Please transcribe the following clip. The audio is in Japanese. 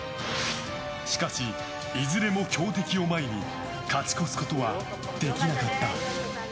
しかし、いずれも強敵を前に勝ち越すことはできなかった。